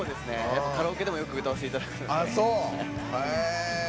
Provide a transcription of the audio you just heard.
カラオケでもよく歌わせていただくんで。